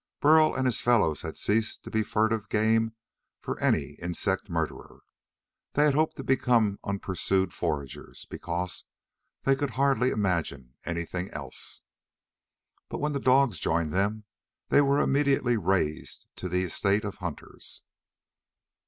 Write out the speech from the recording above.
Burl and his fellows had ceased to be fugitive game for any insect murderer. They had hoped to become unpursued foragers, because they could hardly imagine anything else. But when the dogs joined them, they were immediately raised to the estate of hunters.